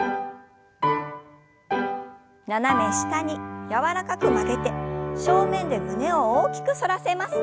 斜め下に柔らかく曲げて正面で胸を大きく反らせます。